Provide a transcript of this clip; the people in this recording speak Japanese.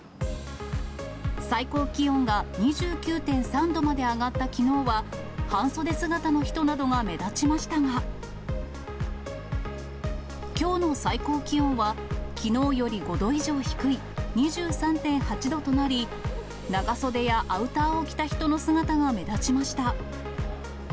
最高気温が２９．３度まで上がったきのうは、半袖姿の人などが目立ちましたが、きょうの最高気温は、きのうより５度以上低い２３．８度となり、長袖やアウターを着た人の姿が目立ちました。